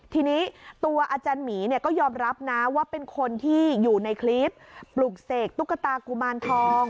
ทีนี้ตัวอาจารย์หมีเนี่ยก็ยอมรับนะว่าเป็นคนที่อยู่ในคลิปปลุกเสกตุ๊กตากุมารทอง